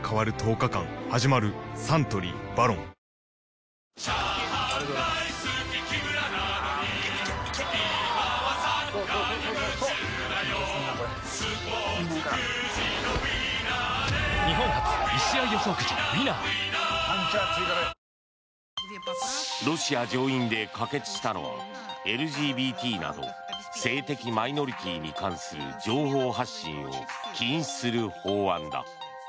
サントリー「ＶＡＲＯＮ」ロシア上院で可決したのはＬＧＢＴなど性的マイノリティーに関する情報発信を禁止する法案だ。